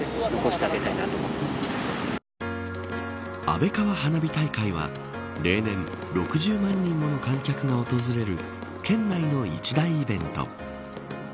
安倍川花火大会は例年、６０万人もの観客が訪れる県内の一大イベント。